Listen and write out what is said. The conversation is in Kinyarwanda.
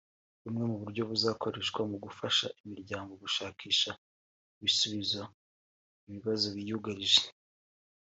Bumwe mu buryo buzakoreshwa mu gufasha imiryango gushakira ibisubizo ibibazo biyugarije